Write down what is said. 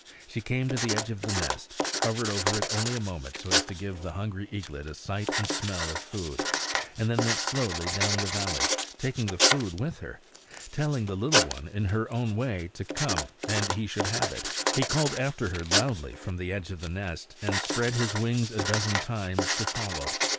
She came to the edge of the nest, hovered over it a moment, so as to give the hungry eaglet a sight and smell of food, then went slowly down to the valley, taking the food with her, telling the little one in her own way to come and he should have it. He called after her loudly from the edge of the nest, and spread his wings a dozen times to follow.